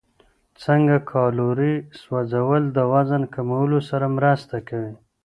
څنګه کالوري سوځول د وزن کمولو سره مرسته کوي؟